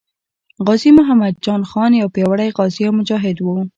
غازي محمد جان خان یو پیاوړی غازي او مجاهد وو.